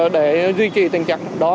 để duy trì tình trạng đó